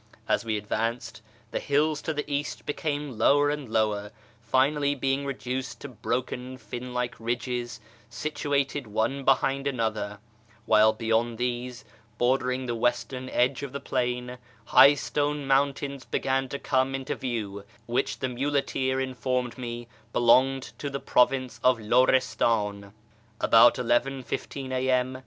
As "vve advanced, the hills to the east l)ecanie lower and lower, finally being reduced to broken iin like ridges, situated one behind another, Avhile beyond these, bordering the western edge of the plain, high snow mountains began to come into view, which the muleteer informed me belonged to the province of Luristiin. About 11.15 a.m.